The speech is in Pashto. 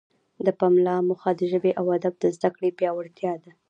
د پملا موخه د ژبې او ادب د زده کړې پیاوړتیا ده.